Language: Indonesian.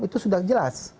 itu sudah jelas